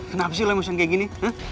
kenapa sih lo mau siang kayak gini